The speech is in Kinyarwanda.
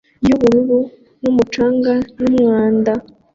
yubururu n'umucanga n'umwanda